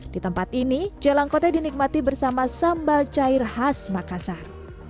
di tempat ini jalang kote dinikmati bersama sambal cair khas makassar